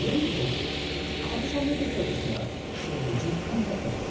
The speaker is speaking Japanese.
羽生さんの時は十冠だったんです。